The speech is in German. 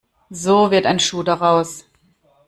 So wird ein Schuh daraus.